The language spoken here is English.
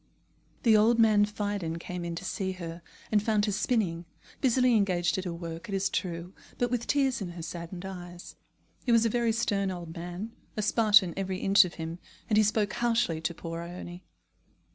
The old man Phidon came in to see her, and found her spinning, busily engaged at her work, it is true, but with tears in her saddened eyes. He was a very stern old man, a Spartan every inch of him, and he spoke harshly to poor Ione.